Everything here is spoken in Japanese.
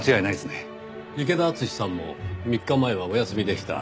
池田淳さんも３日前はお休みでした。